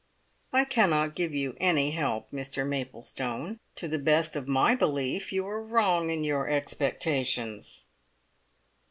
"I cannot give you any help, Mr Maplestone. To the best of my belief, you are wrong in your expectations."